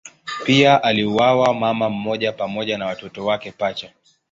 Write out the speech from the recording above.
Pia aliuawa mama mmoja pamoja na watoto wake pacha.